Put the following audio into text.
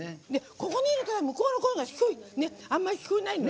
ここにいると向こうの声があまり聞こえないのよね。